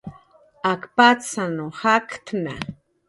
Ak patzanw jaktna